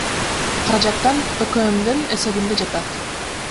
Каражаттан ӨКМдин эсебинде жатат.